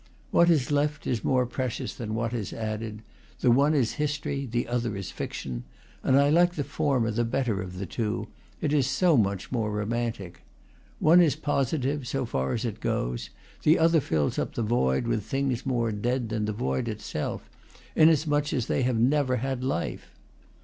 What is left is more precious than what is added: the one is history, the other is fiction; and I like the former the better of the two, it is so much more romantic. One is posi tive, so far as it goes; the other fills up the void with things more dead than the void itself, inasmuch as they have never had life.